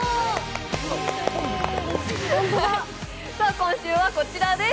今週はこちらです。